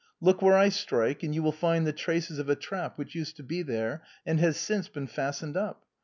Look where I strike, and you will find the traces of a trap which used to be there, and has since been fastened up.